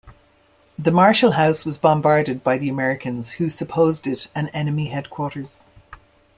The Marshall House was bombarded by the Americans who supposed it an enemy headquarters.